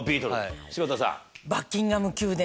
柴田さん。